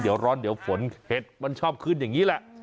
เดี๋ยวร้อนเดี๋ยวฝนเห็ดมันชอบขึ้นอย่างนี้แหละ